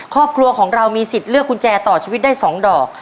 ครอบครัวของเรามีสิทธิ์เลือกกุญแจต่อชีวิตได้๒ดอก